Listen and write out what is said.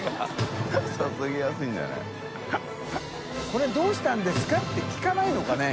これどうしたんですか？」って聞かないのかね？